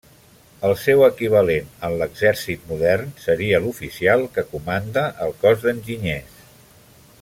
El seu equivalent en l'exèrcit modern seria l'oficial que comanda el cos d'enginyers.